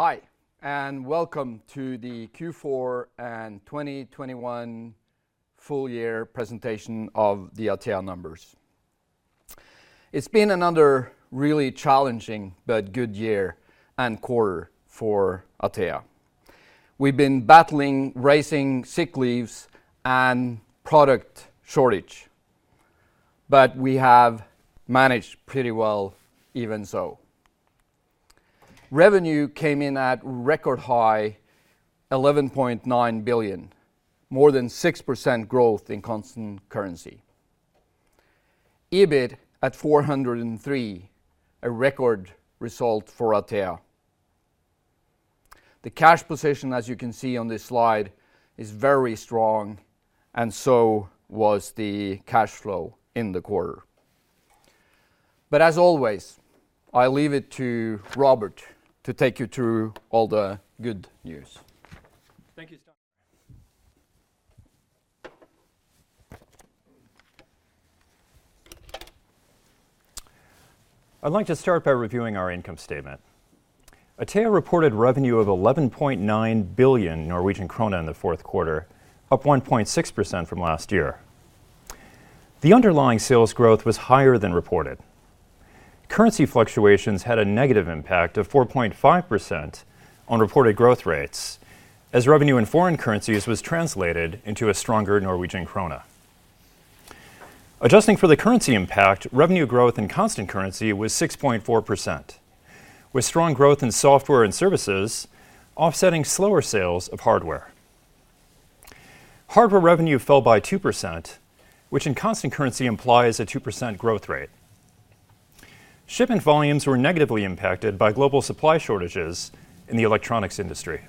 Hi, and welcome to the Q4 and 2021 full year presentation of the Atea numbers. It's been another really challenging but good year and quarter for Atea. We've been battling rising sick leaves and product shortage, but we have managed pretty well even so. Revenue came in at record high 11.9 billion, more than 6% growth in constant currency. EBIT at 403 million, a record result for Atea. The cash position, as you can see on this slide, is very strong, and so was the cash flow in the quarter. As always, I leave it to Robert to take you through all the good news. Thank you, Steinar. I'd like to start by reviewing our income statement. Atea reported revenue of 11.9 billion Norwegian krone in the fourth quarter, up 1.6% from last year. The underlying sales growth was higher than reported. Currency fluctuations had a negative impact of 4.5% on reported growth rates, as revenue in foreign currencies was translated into a stronger Norwegian krone. Adjusting for the currency impact, revenue growth in constant currency was 6.4%, with strong growth in software and services offsetting slower sales of hardware. Hardware revenue fell by 2%, which in constant currency implies a 2% growth rate. Shipment volumes were negatively impacted by global supply shortages in the electronics industry.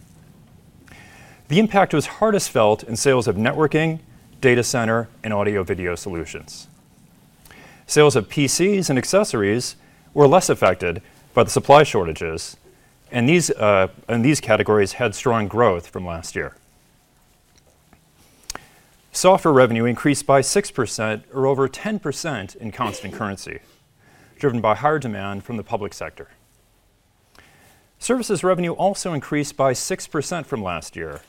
The impact was hardest felt in sales of networking, data center, and audio video solutions. Sales of PCs and accessories were less affected by the supply shortages, and these categories had strong growth from last year. Software revenue increased by 6% or over 10% in constant currency, driven by higher demand from the public sector. Services revenue also increased by 6% from last year,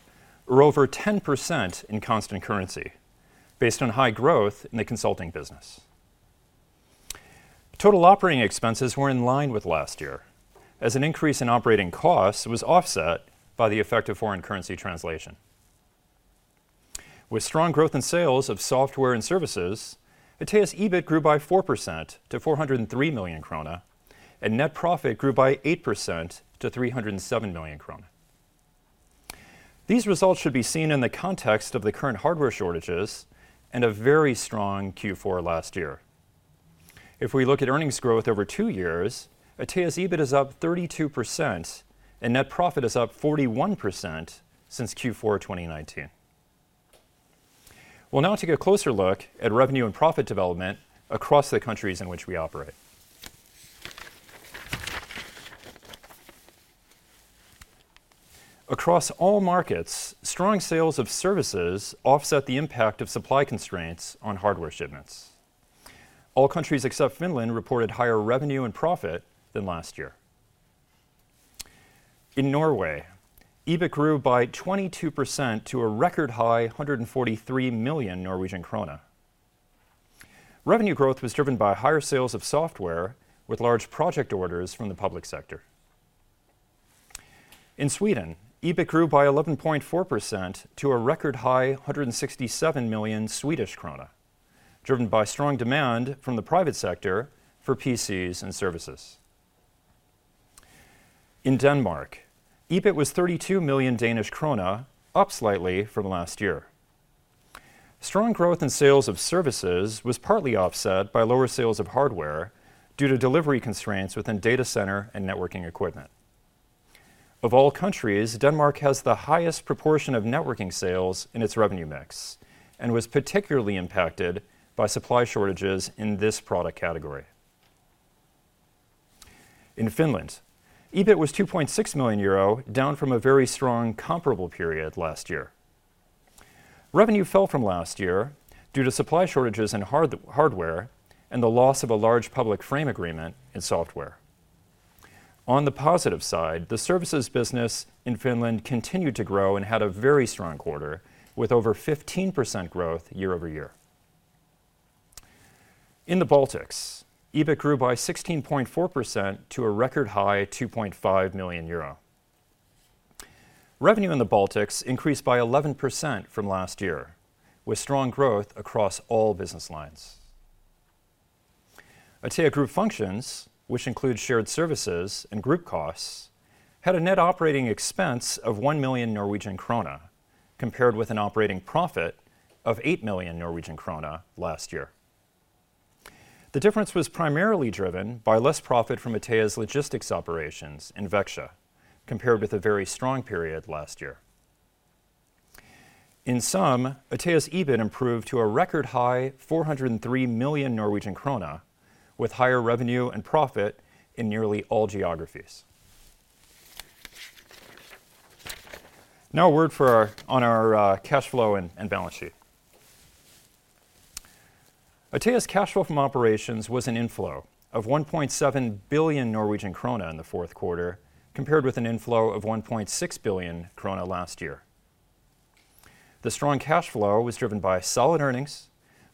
or over 10% in constant currency, based on high growth in the consulting business. Total operating expenses were in line with last year, as an increase in operating costs was offset by the effect of foreign currency translation. With strong growth in sales of software and services, Atea's EBIT grew by 4% to 403 million krone, and net profit grew by 8% to 307 million krone. These results should be seen in the context of the current hardware shortages and a very strong Q4 last year. If we look at earnings growth over two years, Atea's EBIT is up 32% and net profit is up 41% since Q4 2019. We'll now take a closer look at revenue and profit development across the countries in which we operate. Across all markets, strong sales of services offset the impact of supply constraints on hardware shipments. All countries except Finland reported higher revenue and profit than last year. In Norway, EBIT grew by 22% to a record high 143 million Norwegian krone. Revenue growth was driven by higher sales of software with large project orders from the public sector. In Sweden, EBIT grew by 11.4% to a record high 167 million Swedish krona, driven by strong demand from the private sector for PCs and services. In Denmark, EBIT was 32 million Danish krone, up slightly from last year. Strong growth in sales of services was partly offset by lower sales of hardware due to delivery constraints within data center and networking equipment. Of all countries, Denmark has the highest proportion of networking sales in its revenue mix and was particularly impacted by supply shortages in this product category. In Finland, EBIT was 2.6 million euro, down from a very strong comparable period last year. Revenue fell from last year due to supply shortages in hardware and the loss of a large public framework agreement in software. On the positive side, the services business in Finland continued to grow and had a very strong quarter, with over 15% growth year-over-year. In the Baltics, EBIT grew by 16.4% to a record high 2.5 million euro. Revenue in the Baltics increased by 11% from last year, with strong growth across all business lines. Atea Group Functions, which includes shared services and group costs, had a net operating expense of 1 million Norwegian krone, compared with an operating profit of 8 million Norwegian krone last year. The difference was primarily driven by less profit from Atea's logistics operations in Växjö, compared with a very strong period last year. In sum, Atea's EBIT improved to a record high 403 million Norwegian krone, with higher revenue and profit in nearly all geographies. Now a word on our cash flow and balance sheet. Atea's cash flow from operations was an inflow of 1.7 billion Norwegian krone in the fourth quarter, compared with an inflow of 1.6 billion krone last year. The strong cash flow was driven by solid earnings,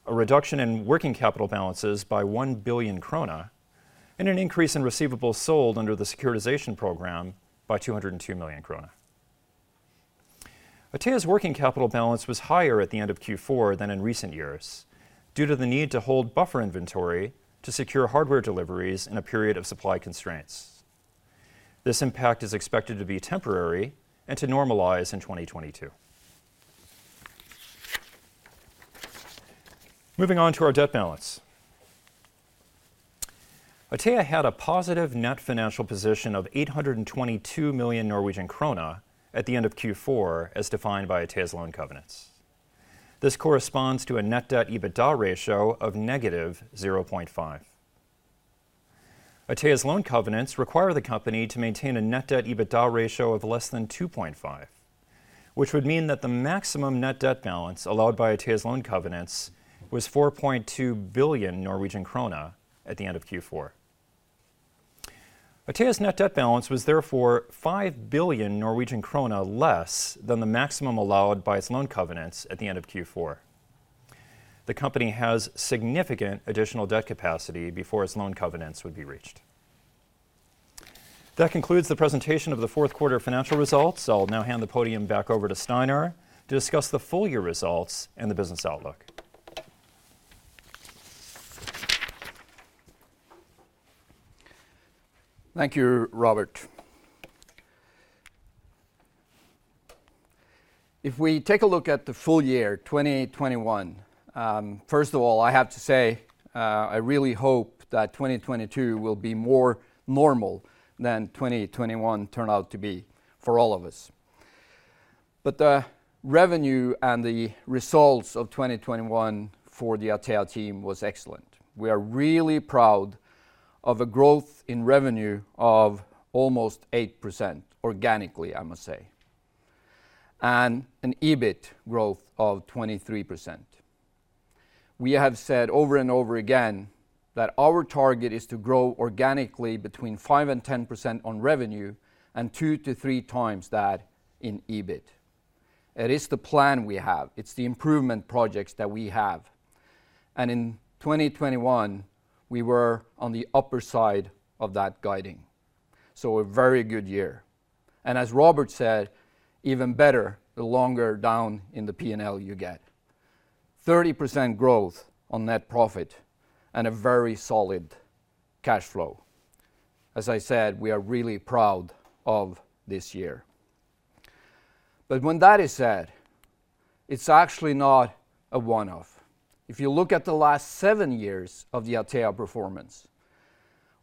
a reduction in working capital balances by 1 billion krone, and an increase in receivables sold under the securitization program by 202 million krone. Atea's working capital balance was higher at the end of Q4 than in recent years due to the need to hold buffer inventory to secure hardware deliveries in a period of supply constraints. This impact is expected to be temporary and to normalize in 2022. Moving on to our debt balance. Atea had a positive net financial position of 822 million Norwegian krone at the end of Q4, as defined by Atea's loan covenants. This corresponds to a net debt EBITDA ratio of -0.5. Atea's loan covenants require the company to maintain a net debt EBITDA ratio of less than 2.5, which would mean that the maximum net debt balance allowed by Atea's loan covenants was 4.2 billion Norwegian krone at the end of Q4. Atea's net debt balance was therefore 5 billion Norwegian krone less than the maximum allowed by its loan covenants at the end of Q4. The company has significant additional debt capacity before its loan covenants would be reached. That concludes the presentation of the fourth quarter financial results. I'll now hand the podium back over to Steinar to discuss the full year results and the business outlook. Thank you, Robert. If we take a look at the full year 2021, first of all, I have to say, I really hope that 2022 will be more normal than 2021 turned out to be for all of us. The revenue and the results of 2021 for the Atea team was excellent. We are really proud of a growth in revenue of almost 8% organically, I must say, and an EBIT growth of 23%. We have said over and over again that our target is to grow organically between 5% and 10% on revenue and two to three times that in EBIT. It is the plan we have. It's the improvement projects that we have. In 2021, we were on the upper side of that guiding. A very good year. As Robert said, even better the longer down in the P&L you get. 30% growth on net profit and a very solid cash flow. As I said, we are really proud of this year. When that is said, it's actually not a one-off. If you look at the last seven years of the Atea performance,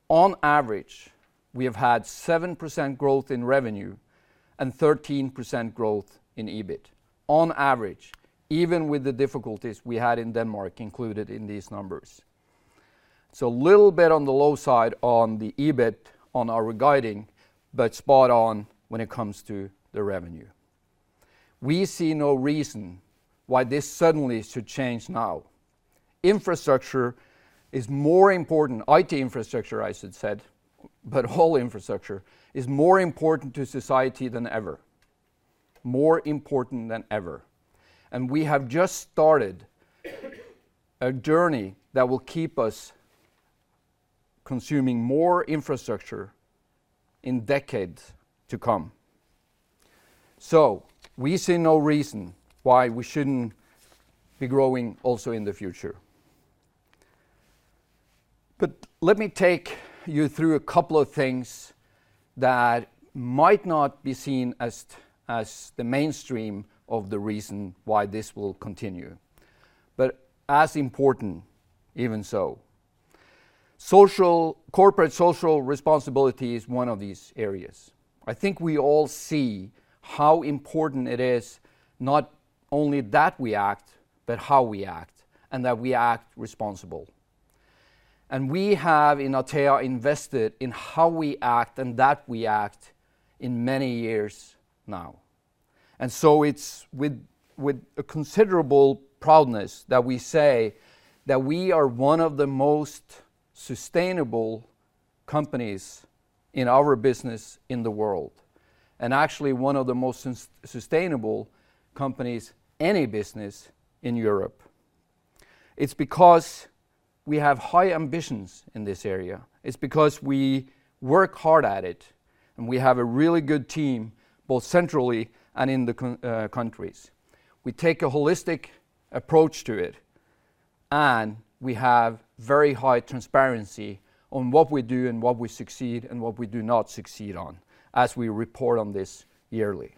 on average, we have had 7% growth in revenue and 13% growth in EBIT on average, even with the difficulties we had in Denmark included in these numbers. A little bit on the low side on the EBIT on our guiding, but spot on when it comes to the revenue. We see no reason why this suddenly should change now. Infrastructure is more important, IT infrastructure, I should said, but whole infrastructure is more important to society than ever. More important than ever. We have just started a journey that will keep us consuming more infrastructure in decades to come. We see no reason why we shouldn't be growing also in the future. Let me take you through a couple of things that might not be seen as the mainstream of the reason why this will continue, but as important even so. Corporate social responsibility is one of these areas. I think we all see how important it is not only that we act, but how we act, and that we act responsible. We have in Atea invested in how we act and that we act in many years now. It's with a considerable proudness that we say that we are one of the most sustainable companies in our business in the world, and actually one of the most sustainable companies, any business in Europe. It's because we have high ambitions in this area. It's because we work hard at it and we have a really good team, both centrally and in the countries. We take a holistic approach to it, and we have very high transparency on what we do and what we succeed and what we do not succeed on as we report on this yearly.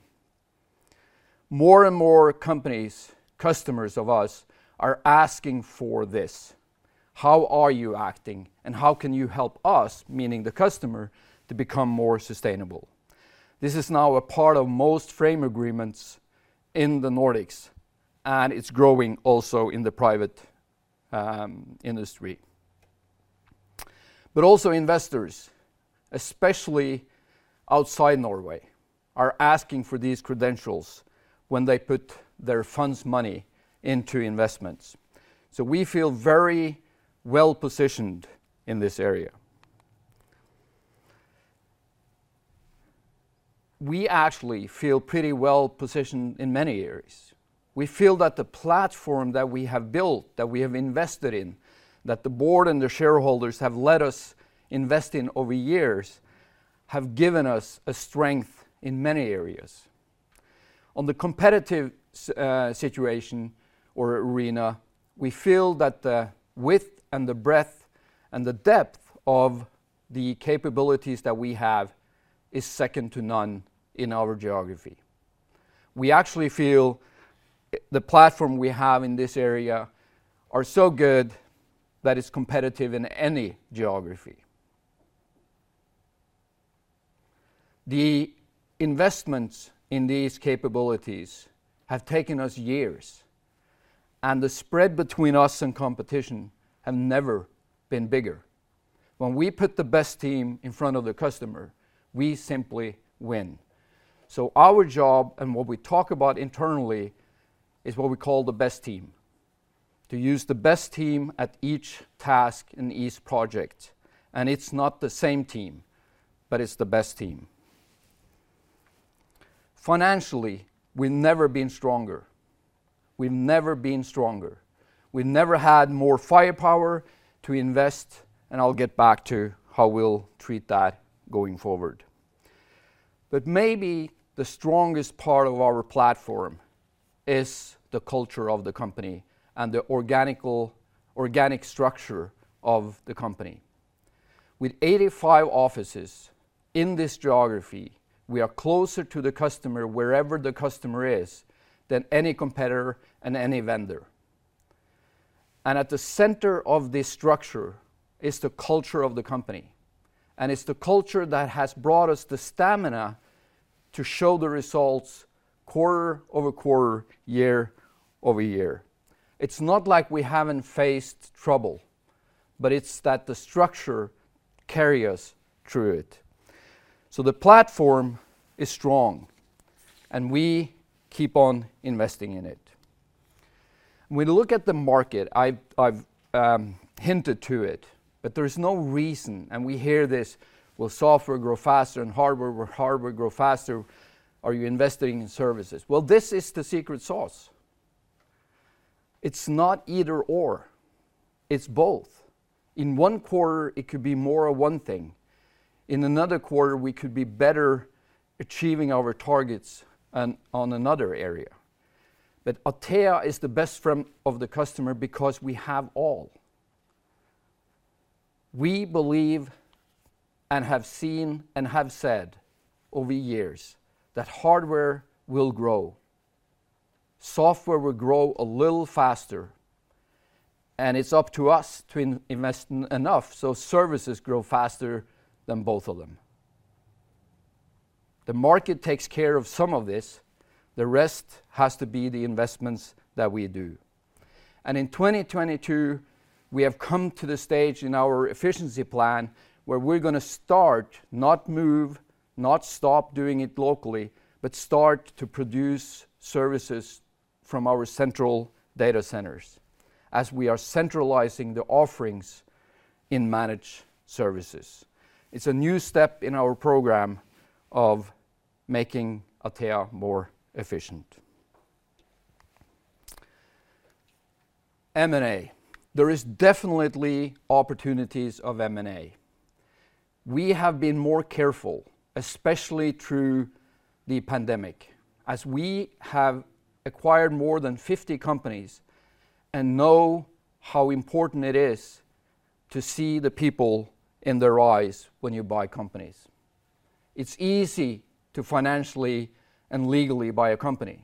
More and more companies, customers of us, are asking for this. How are you acting and how can you help us, meaning the customer, to become more sustainable? This is now a part of most framework agreements in the Nordics, and it's growing also in the private, industry. Also investors, especially outside Norway, are asking for these credentials when they put their funds' money into investments. We feel very well-positioned in this area. We actually feel pretty well-positioned in many areas. We feel that the platform that we have built, that we have invested in, that the board and the shareholders have let us invest in over years, have given us a strength in many areas. On the competitive situation or arena, we feel that the width and the breadth and the depth of the capabilities that we have is second to none in our geography. We actually feel the platform we have in this area are so good that it's competitive in any geography. The investments in these capabilities have taken us years, and the spread between us and competition have never been bigger. When we put the best team in front of the customer, we simply win. Our job and what we talk about internally is what we call the best team, to use the best team at each task in each project, and it's not the same team, but it's the best team. Financially, we've never been stronger. We've never had more firepower to invest, and I'll get back to how we'll treat that going forward. Maybe the strongest part of our platform is the culture of the company and the organic structure of the company. With 85 offices in this geography, we are closer to the customer wherever the customer is than any competitor and any vendor. At the center of this structure is the culture of the company, and it's the culture that has brought us the stamina to show the results quarter-over-quarter, year-over-year. It's not like we haven't faced trouble, but it's that the structure carry us through it. The platform is strong, and we keep on investing in it. When we look at the market, I've hinted to it, but there's no reason, and we hear this, will software grow faster and hardware grow faster? Are you investing in services? Well, this is the secret sauce. It's not either/or. It's both. In one quarter, it could be more of one thing. In another quarter, we could be better achieving our targets on another area. Atea is the best friend of the customer because we have all. We believe and have seen and have said over years that hardware will grow. Software will grow a little faster, and it's up to us to invest enough so services grow faster than both of them. The market takes care of some of this. The rest has to be the investments that we do. In 2022, we have come to the stage in our efficiency plan where we're gonna start, not move, not stop doing it locally, but start to produce services from our central data centers as we are centralizing the offerings in managed services. It's a new step in our program of making Atea more efficient. M&A. There is definitely opportunities for M&A. We have been more careful, especially through the pandemic, as we have acquired more than 50 companies and know how important it is to see the people in their eyes when you buy companies. It's easy to financially and legally buy a company.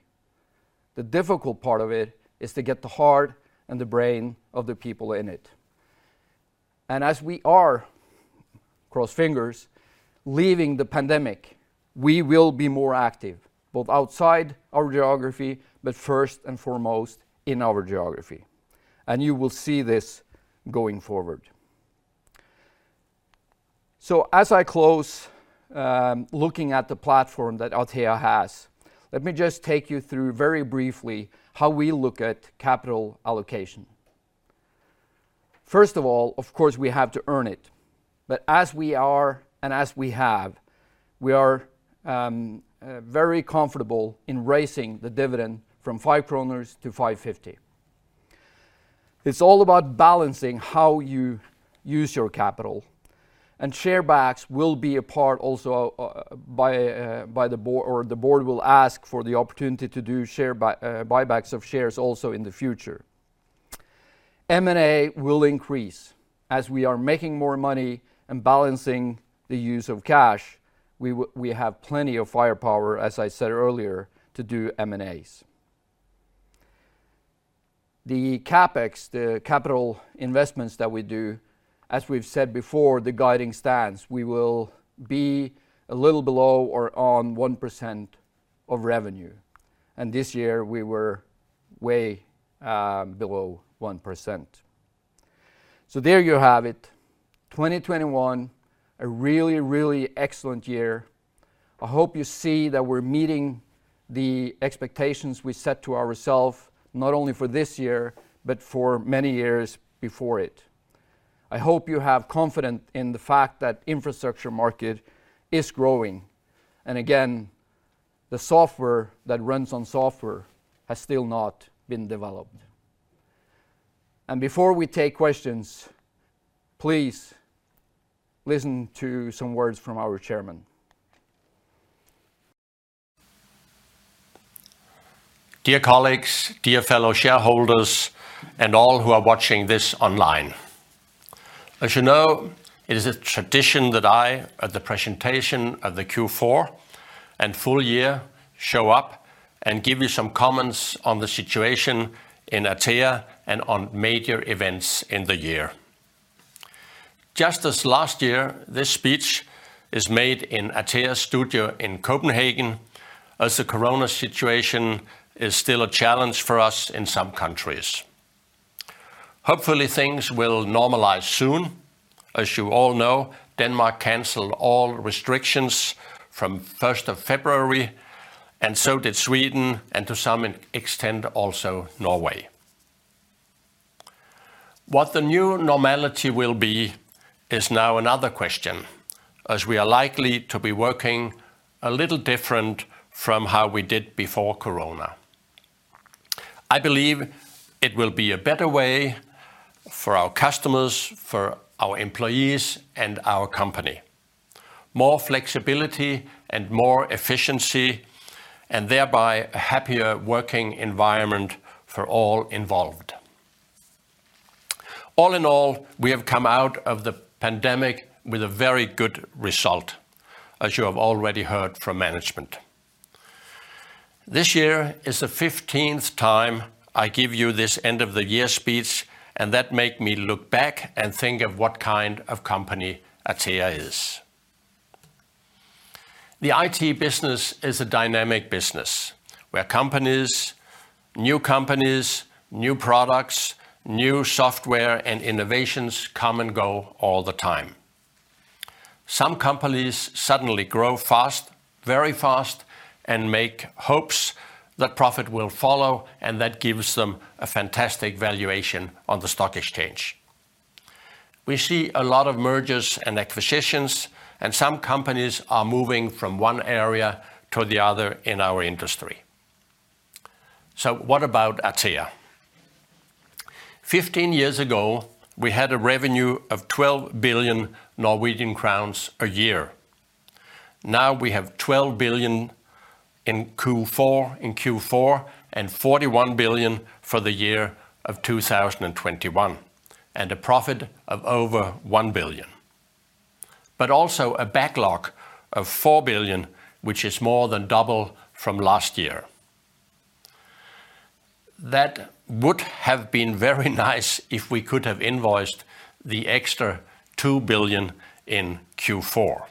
The difficult part of it is to get the heart and the brain of the people in it. As we are, cross fingers, leaving the pandemic, we will be more active, both outside our geography, but first and foremost in our geography. You will see this going forward. As I close, looking at the platform that Atea has, let me just take you through very briefly how we look at capital allocation. First of all, of course, we have to earn it. We are very comfortable in raising the dividend from 5 kroner to 5.50. It's all about balancing how you use your capital. Share buybacks will be a part also by the board or the board will ask for the opportunity to do share buybacks of shares also in the future. M&A will increase. As we are making more money and balancing the use of cash, we have plenty of firepower, as I said earlier, to do M&As. The CapEx, the capital investments that we do, as we've said before, the guiding stance, we will be a little below or on 1% of revenue. This year we were way below 1%. There you have it. 2021, a really excellent year. I hope you see that we're meeting the expectations we set to ourselves, not only for this year, but for many years before it. I hope you have confidence in the fact that infrastructure market is growing. Again, the software that runs on software has still not been developed. Before we take questions, please listen to some words from our chairman. Dear colleagues, dear fellow shareholders, and all who are watching this online, as you know, it is a tradition that I, at the presentation of the Q4 and full year, show up and give you some comments on the situation in Atea and on major events in the year. Just as last year, this speech is made in Atea studio in Copenhagen, as the Corona situation is still a challenge for us in some countries. Hopefully, things will normalize soon. As you all know, Denmark canceled all restrictions from first of February, and so did Sweden, and to some extent, also Norway. What the new normality will be is now another question, as we are likely to be working a little different from how we did before Corona. I believe it will be a better way for our customers, for our employees, and our company. More flexibility and more efficiency, and thereby, a happier working environment for all involved. All in all, we have come out of the pandemic with a very good result, as you have already heard from management. This year is the fifteenth time I give you this end of the year speech, and that make me look back and think of what kind of company Atea is. The IT business is a dynamic business, where companies, new companies, new products, new software, and innovations come and go all the time. Some companies suddenly grow fast, very fast, and make hopes that profit will follow, and that gives them a fantastic valuation on the stock exchange. We see a lot of mergers and acquisitions, and some companies are moving from one area to the other in our industry. What about Atea? 15 years ago, we had a revenue of 12 billion Norwegian crowns a year. Now we have 12 billion in Q4, and 41 billion for the year of 2021, and a profit of over 1 billion. Also a backlog of 4 billion, which is more than double from last year. That would have been very nice if we could have invoiced the extra 2 billion in Q4.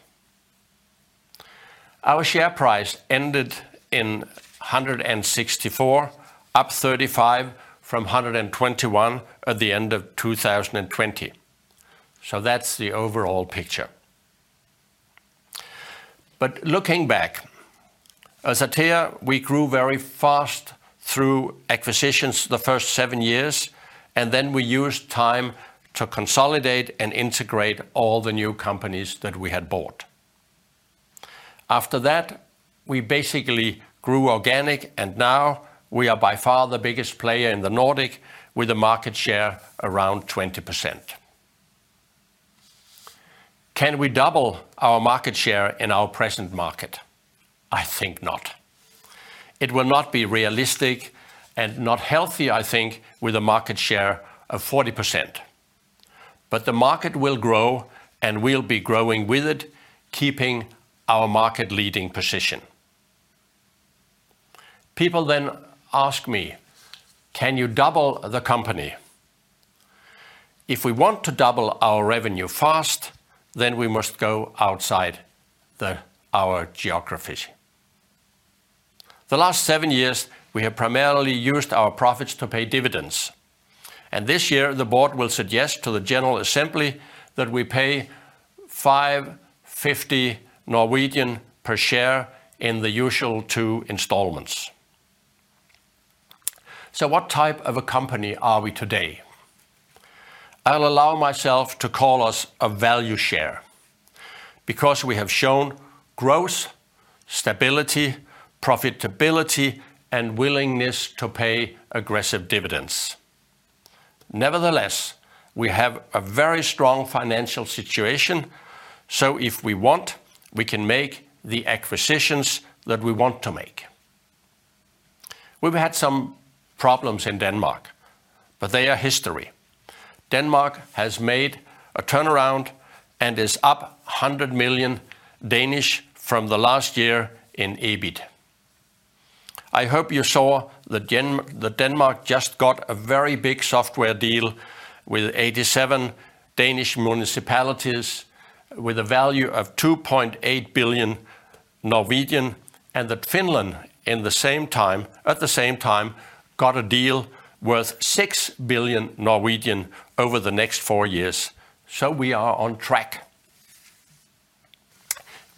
Our share price ended in 164, up 35 from 121 at the end of 2020. That's the overall picture. Looking back, as Atea, we grew very fast through acquisitions the first seven years, and then we used time to consolidate and integrate all the new companies that we had bought. After that, we basically grew organic, and now we are by far the biggest player in the Nordic with a market share around 20%. Can we double our market share in our present market? I think not. It will not be realistic and not healthy, I think, with a market share of 40%. But the market will grow, and we'll be growing with it, keeping our market-leading position. People then ask me, "Can you double the company?" If we want to double our revenue fast, then we must go outside our geographies. The last seven years, we have primarily used our profits to pay dividends, and this year the board will suggest to the general assembly that we pay 5.50 NOK per share in the usual two installments. What type of a company are we today? I'll allow myself to call us a value share because we have shown growth, stability, profitability, and willingness to pay aggressive dividends. Nevertheless, we have a very strong financial situation, so if we want, we can make the acquisitions that we want to make. We've had some problems in Denmark, but they are history. Denmark has made a turnaround and is up 100 million from the last year in EBIT. I hope you saw that Denmark just got a very big software deal with 87 Danish municipalities with a value of 2.8 billion and that Finland at the same time got a deal worth 6 billion over the next four years. We are on track.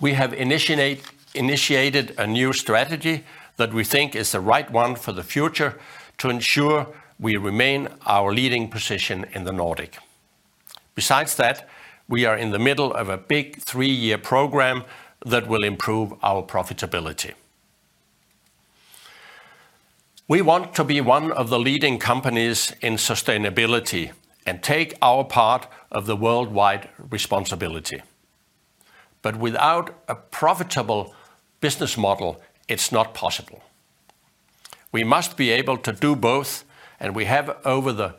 We have initiated a new strategy that we think is the right one for the future to ensure we maintain our leading position in the Nordic. Besides that, we are in the middle of a big three-year program that will improve our profitability. We want to be one of the leading companies in sustainability and take our part of the worldwide responsibility. Without a profitable business model, it's not possible. We must be able to do both, and we have over the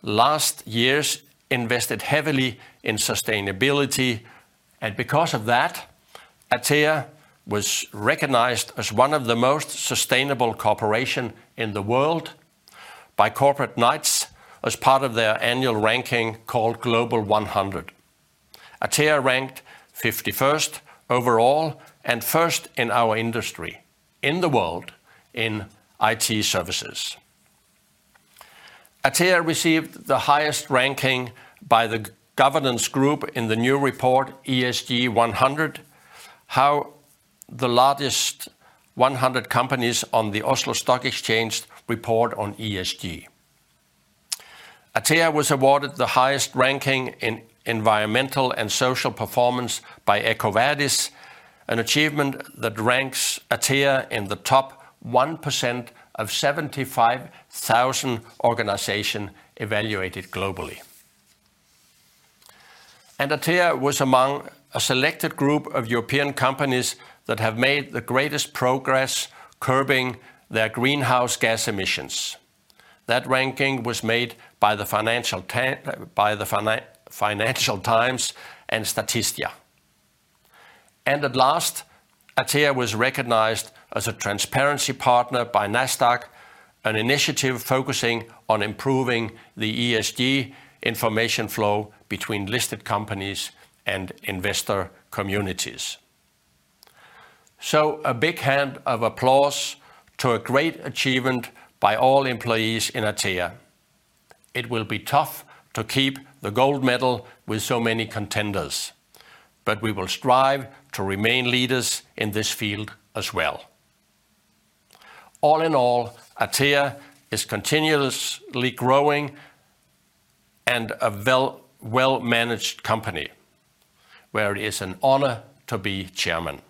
last years invested heavily in sustainability. Because of that, Atea was recognized as one of the most sustainable corporations in the world by Corporate Knights as part of their annual ranking called Global 100. Atea ranked 51st overall and first in our industry in the world in IT services. Atea received the highest ranking by the Governance Group in the new report ESG 100, how the largest 100 companies on the Oslo Stock Exchange report on ESG. Atea was awarded the highest ranking in environmental and social performance by EcoVadis, an achievement that ranks Atea in the top 1% of 75,000 organizations evaluated globally. Atea was among a selected group of European companies that have made the greatest progress curbing their greenhouse gas emissions. That ranking was made by the Financial Times and Statista. At last, Atea was recognized as a transparency partner by Nasdaq, an initiative focusing on improving the ESG information flow between listed companies and investor communities. A big hand of applause to a great achievement by all employees in Atea. It will be tough to keep the gold medal with so many contenders, but we will strive to remain leaders in this field as well. All in all, Atea is continuously growing and a well-managed company, where it is an honor to be chairman.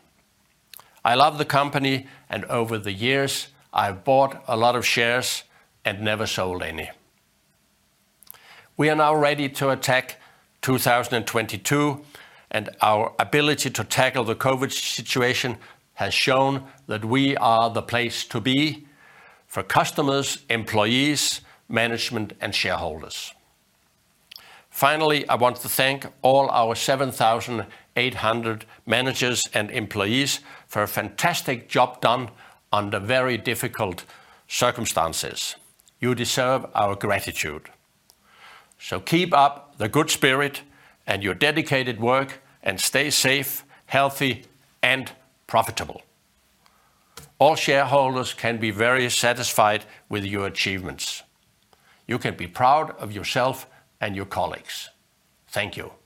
I love the company, and over the years I've bought a lot of shares and never sold any. We are now ready to attack 2022, and our ability to tackle the COVID situation has shown that we are the place to be for customers, employees, management, and shareholders. Finally, I want to thank all our 7,800 managers and employees for a fantastic job done under very difficult circumstances. You deserve our gratitude. Keep up the good spirit and your dedicated work and stay safe, healthy, and profitable. All shareholders can be very satisfied with your achievements. You can be proud of yourself and your colleagues. Thank you.